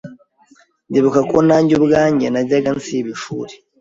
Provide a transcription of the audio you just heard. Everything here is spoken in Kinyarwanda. Ndibuka ko nanjye ubwanjye najyaga nsiba ishuri